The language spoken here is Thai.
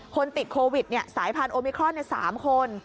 คนติดโควิดสายพันธุมิครอน๓คน